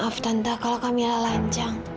maaf tante kalau kami lancang